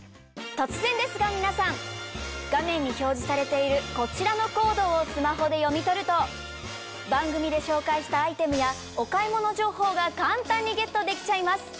突然ですが皆さん画面に表示されているこちらのコードをスマホで読み取ると番組で紹介したアイテムやお買い物情報が簡単にゲットできちゃいます。